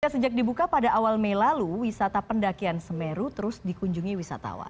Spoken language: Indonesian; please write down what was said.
sejak dibuka pada awal mei lalu wisata pendakian semeru terus dikunjungi wisatawan